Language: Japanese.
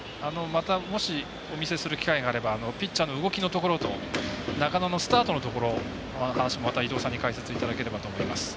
また、お見せする機会があればピッチャーの動きのところと中野のスタートのところの話も伊東さんに解説いただければと思います。